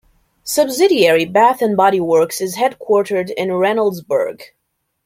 Subsidiary Bath and Body Works is headquartered in Reynoldsburg.